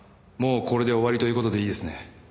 もうこれで終わりという事でいいですね？